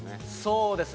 そうですね。